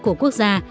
của quốc gia